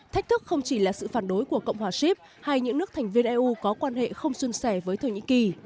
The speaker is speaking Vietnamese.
thách thức không chỉ là sự phản đối của cộng hòa ship hay những nước thành viên eu có quan hệ không xuân sẻ với thổ nhĩ kỳ